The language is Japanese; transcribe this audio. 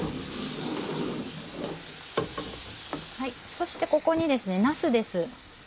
そしてここになすです。